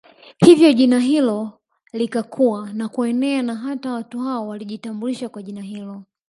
Hivyo jina hilo likakua na kuenea na hata watu hao walijitambulisha kwa jina hilo